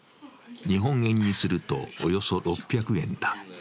日本円にするとおよそ６００円だ。